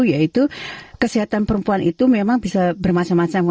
yaitu kesehatan perempuan itu memang bisa bermacam macam